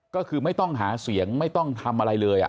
ก็คือไม่ต้องหาเสียงไม่ต้องทำอะไรเลย